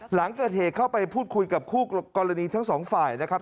หลังเกิดเหตุเข้าไปพูดคุยกับคู่กรณีทั้งสองฝ่ายนะครับ